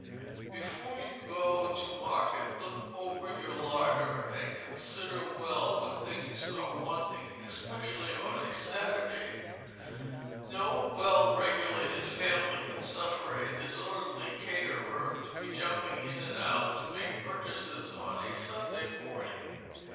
Before you go to market, look over your larder, and consider well what things are wanting especially on a Saturday. No well regulated family can suffer a disorderly caterer to be jumping in and out to make purchases on a Sunday morning.